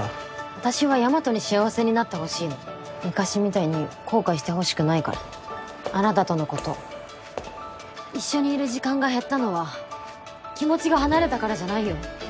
私は大和に幸せになってほしいの昔みたいに後悔してほしくないからあなたとのこと一緒にいる時間が減ったのは気持ちが離れたからじゃないよ